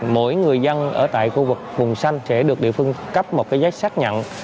mỗi người dân ở tại khu vực vùng xanh sẽ được địa phương cấp một giáy xác nhận